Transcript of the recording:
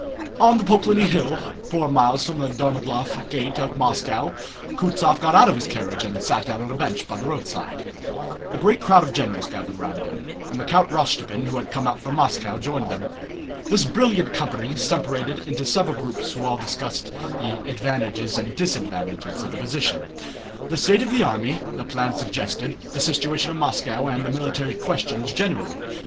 On the Poklónny Hill, four miles from the Dorogomílov gate of Moscow, Kutúzov got out of his carriage and sat down on a bench by the roadside. A great crowd of generals gathered round him, and Count Rostopchín, who had come out from Moscow, joined them. This brilliant company separated into several groups who all discussed the advantages and disadvantages of the position, the state of the army, the plans suggested, the situation of Moscow, and military questions generally.